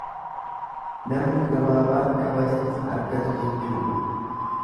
Namni gabaabaan kabaja hin argatu jechuudha.